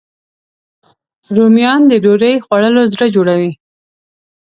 رومیان د ډوډۍ خوړلو زړه جوړوي